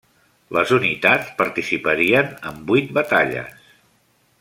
Les unitats participarien en vuit batalles.